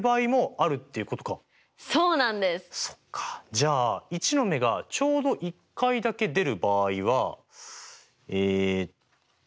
じゃあ１の目がちょうど１回だけ出る場合はえっと。